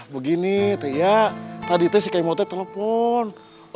begini t ya tadi itu si kmt telepon